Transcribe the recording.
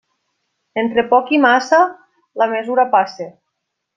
Entre poc i massa, la mesura passa.